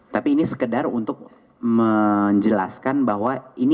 tapi ini sekedar untuk menjelaskan bahwa ini